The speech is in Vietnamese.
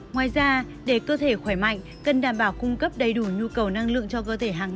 ngoài ra để cơ thể khỏe mạnh cần đảm bảo cung cấp đầy đủ nhu cầu năng lượng